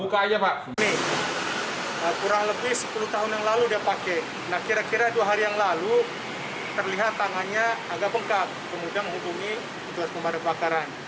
nah kira kira dua hari yang lalu terlihat tangannya agak bengkak kemudian menghubungi petugas pemadam kebakaran